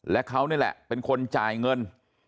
และเขานี่แหละเป็นคนจ่ายเงิน